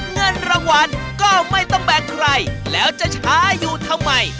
เงินรางวัลก็ไม่ต้องแบ่งใครแล้วจะช้าอยู่ทำไม